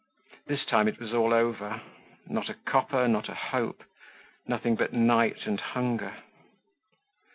This time it was all over. Not a copper, not a hope, nothing but night and hunger.